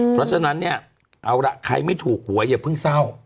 เพราะฉะนั้นเนี่ยเอาล่ะใครไม่ถูกหวยอย่าเพิ่งเศร้า